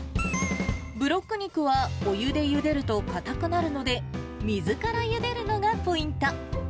ブロック肉はお湯でゆでるとかたくなるので、水からゆでるのがポイント。